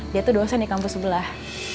dia itu dosen di kampus sebelah